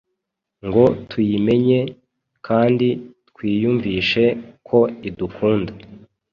ngo tuyimenye kandi twiyumvishe ko idukunda.